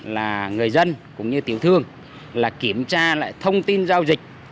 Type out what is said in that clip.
là người dân cũng như tiểu thương là kiểm tra lại thông tin giao dịch